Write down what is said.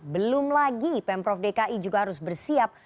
belum lagi pemprov dki juga harus bersiap